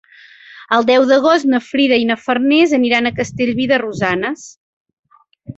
El deu d'agost na Frida i na Farners aniran a Castellví de Rosanes.